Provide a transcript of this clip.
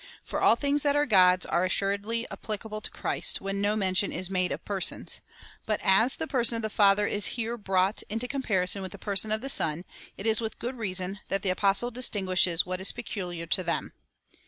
For all things that are God's are assuredly applicable to Christ, when no mention is made of persons ; but as the person of the Father is here brought into comparison with the person of the Son, it is with good reason that the Apostle distin guishes what is peculiar to them.